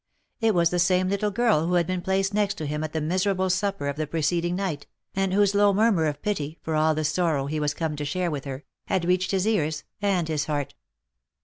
It was the same little girl who had been placed next him at the miserable supper of the preced ing night, and whose low murmur of pity for all the sorrow he was come to share with her, had reached his ears and his heart.